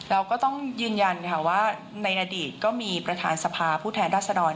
เราก็ต้องยืนยันว่าในอดีตก็มีประธานสภาผู้แทนรัศดร